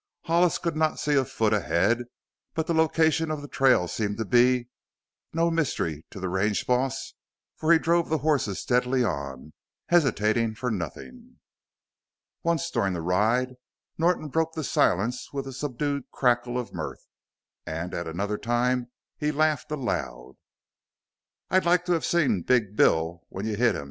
Hollis could not see a foot ahead, but the location of the trail seemed to be no mystery to the range boss, for he drove the horses steadily on, hesitating for nothing. Once during the ride Norton broke the silence with a subdued cackle of mirth, and at another time he laughed aloud. "I'd liked to have seen Big Bill when you hit him!"